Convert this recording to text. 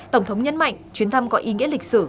tổng thống nhấn mạnh chuyến thăm có ý nghĩa lịch sử